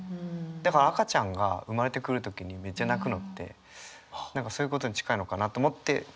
だから赤ちゃんが産まれてくる時にめっちゃ泣くのって何かそういうことに近いのかなと思って。